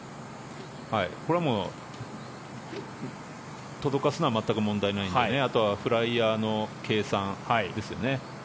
これは届かすのは全く問題ないのであとはフライヤーの計算ですよね。